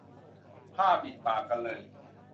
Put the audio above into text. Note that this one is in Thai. ผ้าปิดปากกันเลย